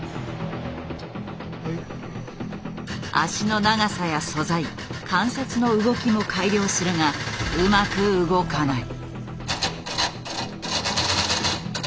脚の長さや素材関節の動きも改良するがうまく動かない。